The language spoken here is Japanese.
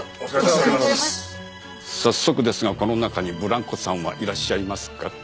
早速ですがこの中にブランコさんはいらっしゃいますか？